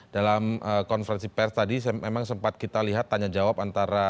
dalam konferensi pers tadi memang sempat kita lihat tanya jawab antara